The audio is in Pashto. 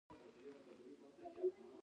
د منظمو فعالیتونو په اساس دې نور خبر کړي.